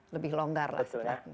lebih longgar lah